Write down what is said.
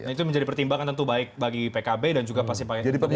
itu menjadi pertimbangan tentu baik bagi pkb dan juga pasti bagi partai partai